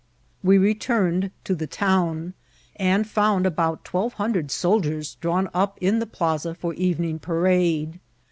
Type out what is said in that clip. We returned to the town, and found about twelve hundred soldiers drawn up in the plaza for evening parade.